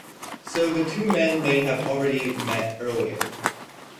So the two men may have already met earlier.